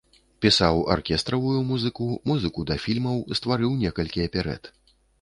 Пісаў аркестравую музыку, музыку да фільмаў, стварыў некалькі аперэт.